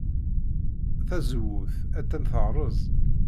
Tazewwut attan terreẓ.